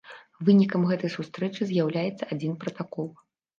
Вынікам гэтай сустрэчы з'яўляецца адзін пратакол.